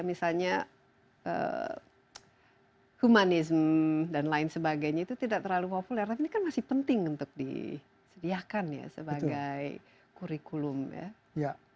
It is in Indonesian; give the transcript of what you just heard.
misalnya humanisme dan lain sebagainya itu tidak terlalu populer tapi ini kan masih penting untuk disediakan ya sebagai kurikulum ya